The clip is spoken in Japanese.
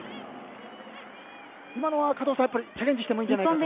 今のは加藤さんチャレンジしてもいいかと。